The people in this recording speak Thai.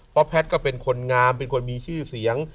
เพราะแพทย์ก็เป็นคนงามเป็นคนมีชื่อเสียง